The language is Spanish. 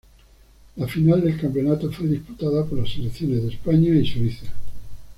La final del campeonato fue disputada por las selecciones de España y Suiza.